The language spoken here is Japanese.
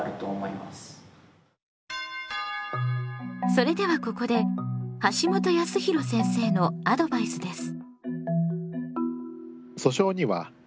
それではここで橋本康弘先生のアドバイスです。